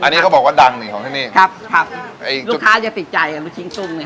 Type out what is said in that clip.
อันนี้เขาบอกว่าดังนี่ของที่นี่ครับครับลูกค้าจะติดใจอ่ะลูกชิ้นตุ้มเนี้ย